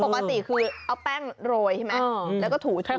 ปกติคือเอาแป้งโรยใช่ไหมแล้วก็ถู